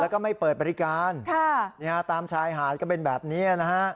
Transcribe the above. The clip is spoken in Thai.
แล้วก็ไม่เปิดบริการตามชายหาดก็เป็นแบบนี้นะฮะ